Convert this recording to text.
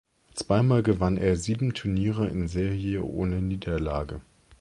Zweimal gewann er sieben Turniere in Serie ohne Niederlage.